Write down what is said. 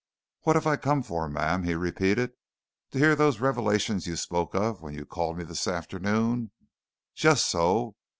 "What have I come for, ma'am?" he repeated. "To hear those revelations you spoke of when you called on me this afternoon? Just so.